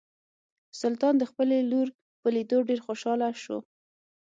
سلطان د خپلې لور په لیدو ډیر خوشحاله شو.